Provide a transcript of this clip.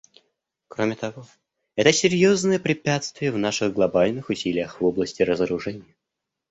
Кроме того, это серьезное препятствие в наших глобальных усилиях в области разоружения.